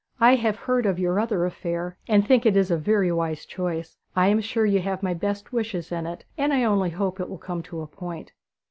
I have heard of your other affair, and think it is a very wise choice. I am sure you have my best wishes in it, and I only hope it will come to a point.'